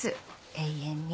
永遠に。